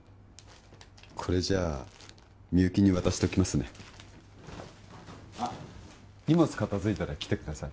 これじゃあみゆきに渡しておきますねあっ荷物片づいたら来てください